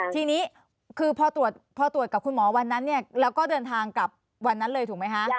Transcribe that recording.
ทีนี้คือพอตรวจกับคุณหมอวันนั้นเนี่ยแล้วก็เดินทางกลับวันนั้นเลยถูกไหมคะ